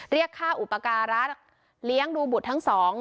เรียกค่าอุปการะเลี้ยงดูบุตรทั้งสอง